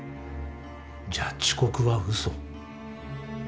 じゃあ遅刻は嘘？